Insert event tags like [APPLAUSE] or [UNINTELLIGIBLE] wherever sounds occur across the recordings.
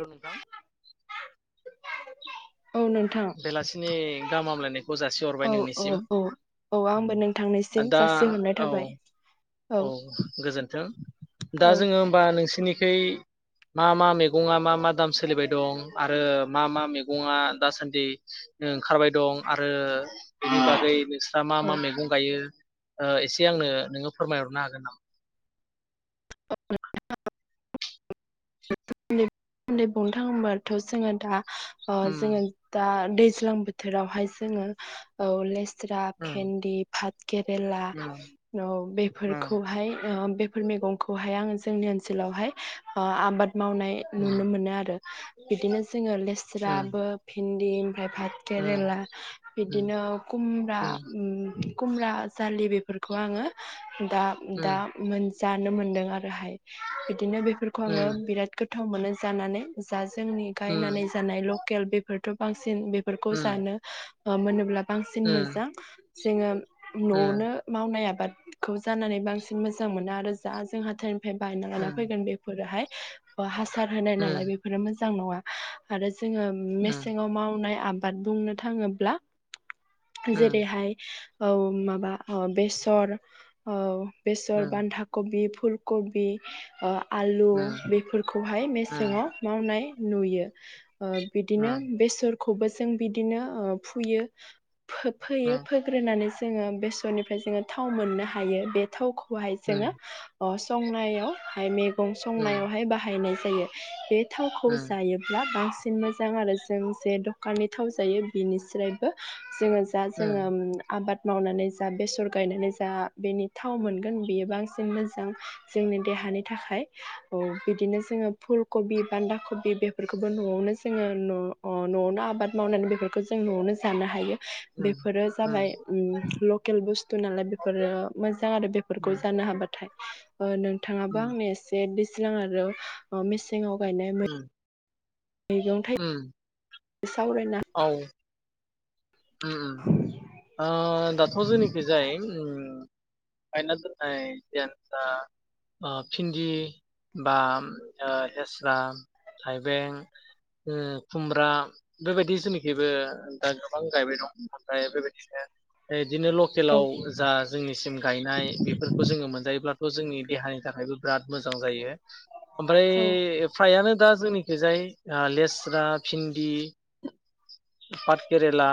हेल' नोंथां? औ नोंथां बेलासिनि गाहाम हामलायनायखौ जासिहरबाय औ औ नोंनिसिम औ औ दा औ आबै औ गोजोन्थों दा औ जोङो होमबा नोंसिनि खै मा मा मेगंआ मा मा दाम सोलिबाय दं आरो मा मा मेगंआ दासान्दि ओंखारबाय दं आरो बेनि बागै बो दा मा मा मैगं गायो? ओ एसे आंनो नोङो फोरमायहरनो हागोन नामा? [UNINTELLIGIBLE] बाथ' जोङो दा ओ उम जोङो दा दै ज्लां बोथोरावहाय जोङो औ लेस रा, उम भेन्दि, भाथ केेरेला उम औ बेफोरखौहाय ओ बेफोर मेगं खौहाय आङो जोंनि ओनसोलावहाय ओ आबाद मावनाय उम नुनो मोनो आरो बिदिनो जोङो उम लेस्राबो भिन्दि ओमफ्राय भात उम केेरेला उम उम बिदिनो खुमब्रा उम खुमरा दालि बेफोरखौ आङो दा दा मोन नुनो मोनदों आरोहाय दिनो बेफोरखौ उम आङो बिराद गोथाव मोनो। जानानै जा जोंनि उम गायनानै जानाय लकेल बेफोर थ' बां सिन बेफोरखौ जानो। मामोन अब्ला बांसिन उम मोजां। जोङो। न'आवनो मावनाय आबाद। खौ जानानै बांसिन मोजां मोनो आरो जा जोंहा थायम फाय बानना लाना उम फैगोन बेफोरो हाय। अ' हास सार होनाय नालाय बेफोरो मो जां नङा आरो जोङो उम मेसेङाव मावनाय आब बाद बुंनो थाङोब्ला। उम जेरैहाय औ माबा अ बेसर औ औ बेसर, बान्दाख बे फुल कबि ओ आलु बेफोरखौहाय मेसेङाव मावनाय नुयो। ओ बिदिनो बेसर खौबो जों बिदिनो ओ फुयो। फो-फोयो फोग्रोनानैसो जोङो बेसरनिफ्राय जोङो थाव मोननो हायो बे थावखौ खौहाय जोङो आव संनायाव हाय मे गं संनायाव हाय बाहायनाय जायो। बे थावखौ जायोब्ला बांसिन बांसिन मोजां आरो जों जे दखाननि थाव जायो बिनिस्रायबो जोङो जा जोङो आबाद मावनानै जा बेसर गायनानै जा बेनि थाव मोनगोन बेयो बांसि जों मोजां जोंनि देहानि थाखाय औ बिदिनो जोङो फुल कबि बान्दा कबि बेफोरखौबो न'आवनो जोङो न'आवनो आबाद मावनानै बेफोरखौ जों न'आवनो जानो हायो। बेफोरो जाबाय ओम लकेल बुस्थु नालाय बेफोरो मोजां आरो बेफोरखौ जानो हाब्ला। ओ नोंथाङाबो आंनो एसे दैज्लां आरो मेसें सिङाव गायनाय मै मैगं थाइ सावरायना ओम ओ दाथ' जोंनिखिजाय ओम गायना दोननाय जेनबा ओ भिन्दि बा हेस्रा थाइबें ओ खुमब्रा बेबायदि जोंनिखैबो दा गोबां गायबाय दं ओमफ्राय बेबायदिनो बिदिनो औ लकेलाव जा जोंनिसिम गायनाय बेफोरखौ जोङो मोनजायोब्ला खौ जोंनि देहानि थाखायबो बिराद मोजां जायो। ओमफ्राय औ फ्रायानो दा जोंनिखौ जाय लेस्रा भिन्दि केरेला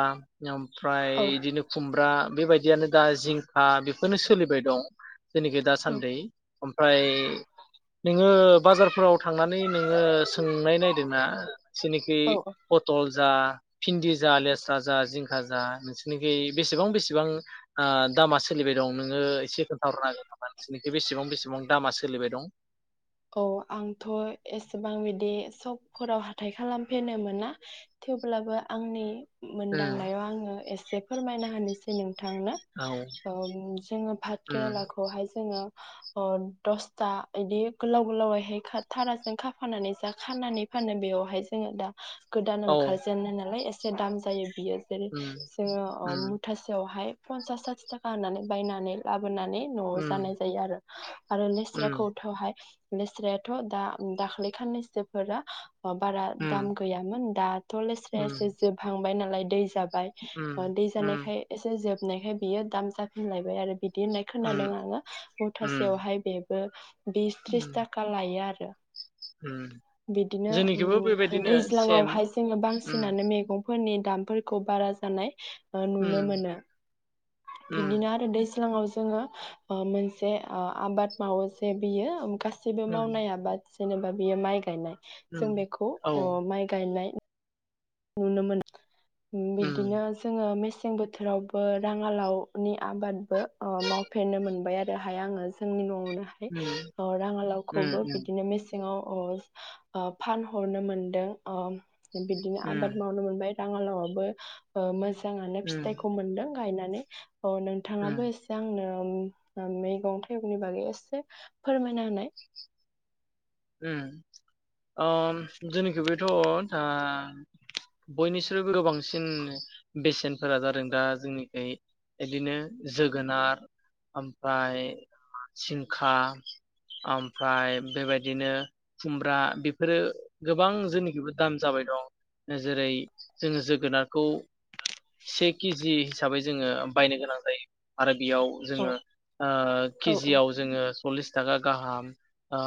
ओमफ्राय बिदिनो खुमब्रा बेबायदियानो दा जिंखा बेफोरनो सोलिबाय दं। जोंनिखै दासान्दै ओमफ्राय नोङो बाजारफोराव थांनानै नोङो सोंनाय नायदोंना जेनिखि औ पथल जा फिन्दि जा लेस्रा जा जिंखा जा नोंसोरनिखि बेसेबां बेसेबां ओ दामा सोलिबाय दं नोङो एसे खोन्थाहरनाांगोन नामा नोंसोरनिखि बेसेबां बेसेबां दामा सोलिबाय दं। औ आंथ एसेबां बिदि सकफोराव हाथाय खालामफेरनो मोना थेवब्लाबो आंनि उम मोनदांनायाव आङो एसे फोरमायना होनानोसै। ज [UNINTELLIGIBLE] नोंथांनो औ जोङो भात उम केरालाखौहाय जोङो अ दसथा इदि गोलाव गोलावैहाय थाराजों खाफानानै जा खानानै फानो बेयावहाय जोङो दा गोदान औ ओंखारजेनो नालाय ए एसे दाम जायो बियो जेरै जोङो जोंनिखिबो मुथासेयावहाय पन्सास साथि थाखा होनानै बायनानै लाब बोनानै नआव जानाय जायो आरो। आरो लेस्राखौथहाय लेस्रायाथ दा दाख्लै खाननैसोफोरा अ बारा दाम गैयामोन दाथ लेस्रा एसे जोबहांबाय नालाय दै जाबाय दै जानायखाय एसे जोब बनायखाय बियो दाम जाफिनलायबाय आरो बिदि होननाय खोनादों आङो मुथासेयावहाय बे बे बिस त्रिस - थाखा लायो आरो। रो बिदिनो उम बेबायदिनो सेम दैज्लाङावहाय जोङो उम बांसिनानो मैगंफोरनि दामफोरखौ बारा जानाय नुनो उम मोनो उम बिदिनो आरो दै दैज्लांआव जोङो ओ मोनसे आबाद मावो जे बियो गा गासैबो उम मावनाय आबाद जेनेबा बियो माइ गायनाय उम जों बेखौ औ अ उम माइ गायनाय नुनोमोन उम बिदिनो जोङो मेसें मेसें बोथोरावबो राङालावनि आबादबो ओ मावफेरनो मोनबाय आरोहाय आङो जोंनि नआवनो हाय ओ उम राङालावखौबो बिदिनो मेसे सेङाव अ ओ फानहरनो मोनदों अ बिदिनो आबाद उम मावनो मोनबाय राङालावाबो ओ मोज मोजाङानो फिथाइखौ मोनदों। गायनानानै औ नोंथाङाबो उम एसे आंनो ओम मैगं थाइगंनि बागै एसे फोरमायना होनाय ओम। ओम जोंनि खैबोथ' ओ बयनिस्रुइबो गोबांसिन बेसेनफोरा जादों दा जोंनिखै इदिनो जोगोनार ओमफ्राय जिंखा ओमफ्राय बेबाय बिदिनो खुमब्रा बेफोरो गोबां जोंनिखिबो दाम जाबाय दं जेरै जोङो जोगोनारखौ से केजि हिसाबै जोङो बायनो गोनां जायो आरो बेयाव औ जोङो ओ औ केजियाव जोङो सलिस तागा गाहाम ओ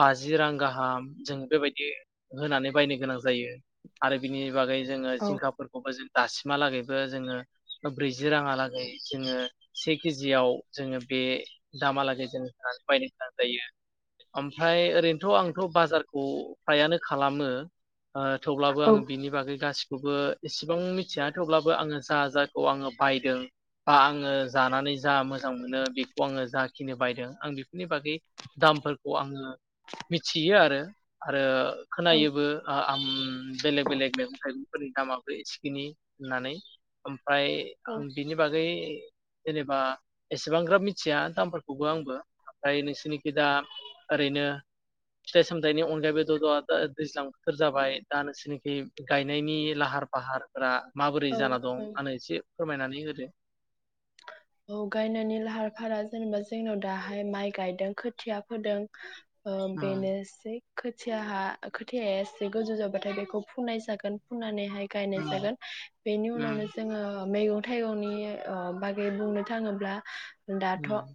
बाजि रां गाहाम जों बेबायदि होनानै बायनो गोनां जायो आरो बिनि बागै जोङो औ जिंखाफोरखौबो जों दासिमहालागैबो जोङो ब्रैजि राङालागै जोङो से केजियाव जोङो बे दामालागै जों होनानै बायनो गोनां जायो। ओमफ्राय ओरैनोथ आंथ बाजारखौ फ्रायानो खालामो। ओ थेवब्लाबो औ आङो बिनि बागै गासि खौबो इसेबां मिथिया थेवब्लाबो आङो जा जाखौ आङो बायदों बा आङो जानानै जा मोजां मोनो बेखौ आङो जाखिनि बायदों आं बेफोरनि बागै दामफोर खौ आङो मिथियो आरो आरो औ खोनायोबो ओ आम बेलेग बेलेग मैगं थाइगं फोरनि दामाबो एसेखिनि होननानै ओम ओमफ्राय आं बिनि बागै जेनेबा एसेबांग्राब मिथिया दामफोरखौबो आंबो ओमफ्राय नोंसोरनिखि दा ओरैनो फिथाइ सामथायाइनि अनगायैबो ज ज दा दैज्लां बोथोर जाबाय दा नोंसोरनिखि गायनायनि लाहार फाहारफोरा माबोरै औ जाना औ दं आंनो एसे फोरमायनानै होदो। औ गायनायनि लाहार फाहा जेनेबा जोंनाव दाहाय माइ गायदों खोथिया फोदों ओ उम बेनोसै। खोथियाहा ओ खोथिया एसे गोजौ जाबाथाय बेखौ फुनाय जागोन फुननानै हाय गायनाय जागोन बेनि उनावनो उम जोङो मैगं थाइगंनि ओ बा खै बुंनो थाङोब्ला दाथ' उम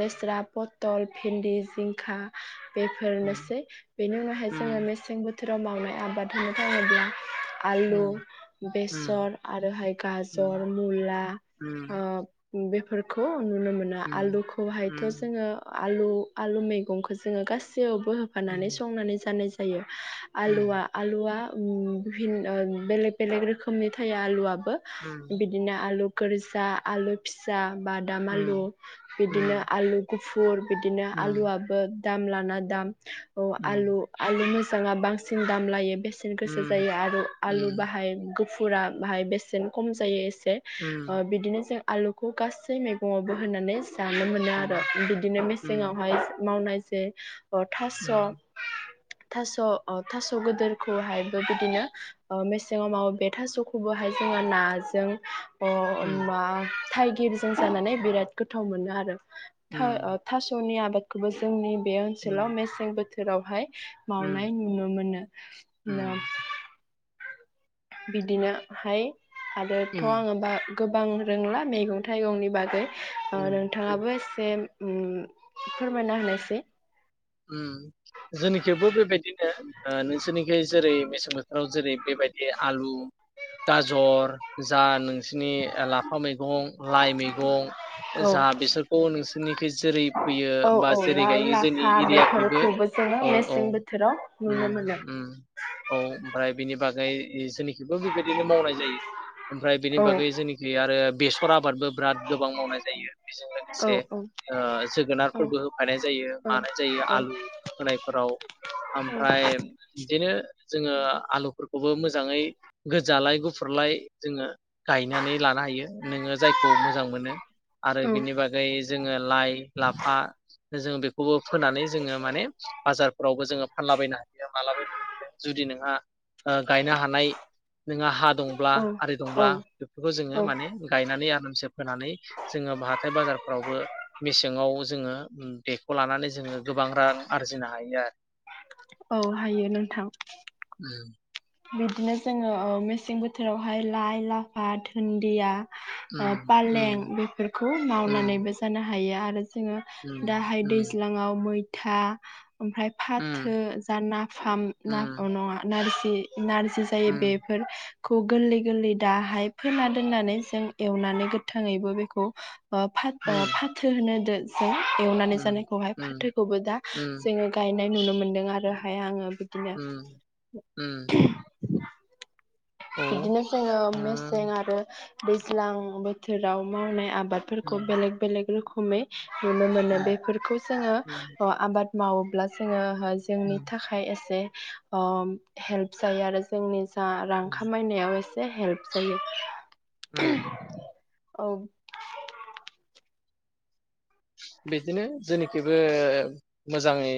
लेस्रा, पथल, भिन्दि, जिंखा उम बेफोरनोसै बेनि उनावहाय उम जोङो मेसें बो थोराव मावनाय आबाद होनो थाङोब्ला आलु, उम उम बेसर आरोहाय उम गाजर, मुला उम ओ बे फोरखौ नुनो मोनो आलुखौहायथ' जोङो आलु-आलु मैगंखौ जोङो गासै सैयावबो होफानानै संनानै जानाय ज जायो। आलुवा आलुवा उम भिन ओ बेलेग बेलेग रोखोमनि थायो आलुवा बो बिदिनो आलु गोरजा आलु फिसा बादाम आलु बिदिनो आलु खु फुर बिदिनो आलुवाबो दाम लाना दाम अ आलु आलु मोज जाङा बांसिन दाम लायो बेसेन गोसा जायो आरो आलु बाहाय गोब फुरा बाहाय बेसेन खम जायो एस ए ओ बिदिनो आलुखौ गासै मैगंआवबो होननानै ए जानो मोनो आरो बिदिनो मेसेङावहाय मावनाय से प थास थास' अ थास' गोदोरखौहाय बिदिनो ओ मेस जोङो मावो बे थासखौबोहाय जोङो नाजों अ होमबा थाइगिरजों जानानै बिराद गोथाव मोनो आरो था-थासनि आबाद खौबो जोंनि बे ओनसोलाव मेसें बोथोर बोथोरावहाय मावनाय नुनो मोनो नो बिदिनोहाय आरोथ आङो बा गोबां रोंला मैगं थाइगंनि बागै ओ नोंथाङाबो एसे उम फोरमायना होनायसै। उम जोंनि खेवबो बेबायदिनो नोंसोरनिखै जेरै मेसें बोथोराव जेरै बेबायदि आलु गाजर जा नोंसिनि लाफा मैगं लाइ मैगं औ जा बिसोरखौ नोंसोरनिखि जेरै फैयो औ बा औ जेरै लाइ गायो जोंनि लाफा एरियाखैबो बेफोरखौबो जोङो औ औ मेसें बोथोराव नुनो उम मोनो। उम औ ओमफ्राय बेनि बागै जोंनिखिबो बेबायदिनो मावनाय जायो ओमफ्राय बेनि औ बागै जोंनिखि आरो बेसर आबादबो बिराद गोबां मावनाय जायो। बेजों औ लोगोसे औ ओ औ जोगोनारफोरबो होफानाय जायो औ मानाय जा जायो औ आलु होनायफोराव औ आमफ्राय बिदिनो जोङो आलुफोरखौबो मोजाङै गोजालाय गुफुरलाय जोङो गायनानै लानो हायो नोङो जायखौ मोजां मोनो आरो बिनि बागै जोङो लाइ लाफा जोङो बेखौबो फोनानै जोङो माने बाजारफोरावबो जोङो फानलाबायनो हायो मालाबायनो हायो। जुदि नोंहा ओ गायनो हानाय नोंहा हा दंब्ला आरि औ दंब्ला औ बेफोरखौ जोङो औ माने गायनानै आरो फोनानै जोंओ बा बाजारावबो मेसें आव जोंओ बेखौ लानानै जोङो गोबां रां आरजिनो हायो आरो औ हायो नोंथां उम बिदिनो जोङो ओ मेसें बोथोरावहाय लाइ लाफा दुन्दिया आं फालें बेफोरखौ मावनानैबो जानो हा हायो आरो जोङो दाहाय दैज्लाङाव मै था ओमफ्राय फाथो जा नाफाम ना अ नङा नारजि बे नारजि जायो बेफोर खौ गोरलै गोरलै दाहाय फोना दोननानै जों एवनानै गोथाङैबो बेखौ बा फा अ फाथो होनो [UNINTELLIGIBLE] जों एवनानै जानायखौहाय फाथोखौबो दा जोङो गायनाय नुनो मोनदों आरो। ओमफाय आङो बिदिनो उम उम बिदिनो जोङो मेसें आरो दैज्लां बोथोराव मावनाय आ बादफोरखौ बेलेग बेलेग रो खोमै नुनो मोनो बेफोरखौ जोङो अ आबाद मावोब्ला जोङो बा जोंनि थाखाय एसे अ हेल्प जायो आरो जोंनि जा खामायनायाव एसे हेल्प जायो। औ बिदिनो जोंनिथिंबो मोजाङै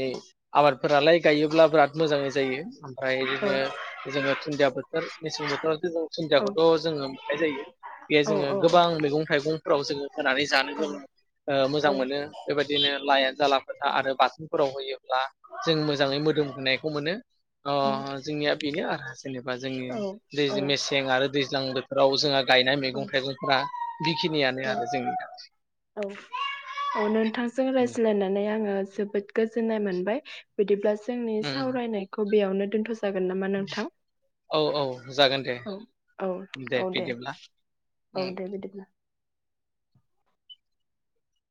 आबादफोरालाय गायोब्ला बिराद मोजाङै जायो। ओमफ्राय औ इदिनो जोङो दुन्दिया बोथोर मेसें बोथोराव औ दुुनदियाखौथ जोङो मोननाय जायो बेहाय औ जोङो गोबां मैगं थाइगंफोराव जोङो होनानै जानो [UNINTELLIGIBLE] औ मोजां मोनो बेबायदिनो लाया [UNINTELLIGIBLE] बाथोनफोराव होयोब्ला जों मोजाङै मोदोम होनायखौ मोनो अ जोंनिया बेनो आरो। जेनेबा जोंनि दै औ मेसें आरो दैज्लां बोथोराव जोंहा गायनाय औ मैगं थाइगंफ्रा बेखिनियानो औ आरो जोंनिया। औ औ नोंथांजों रायज्लायनानै आङो जोबोद गोजोन्नाय मोनबाय बिदिब्ला जोंनि उम सावरायनायखौ बेयावनो दोनथसै औ औ जागोन। दे औ औ औ दे औ उम दे बिदिब्ला।